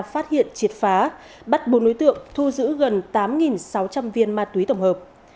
phát hiện triệt phá bắt bốn đối tượng thu giữ gần tám sáu trăm linh viên ma túy tổng hợp